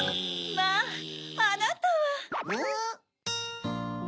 ・まぁあなたは！